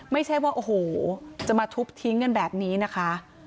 ไม่ใช่ว่าโอ้โหจะมาทุบทิ้งกันแบบนี้นะคะ